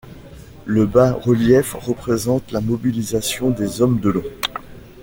Le bas-relief représente la mobilisation des hommes de Long.